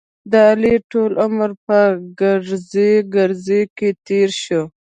د علي ټول عمر په ګړزې ګړوزې کې تېر شو.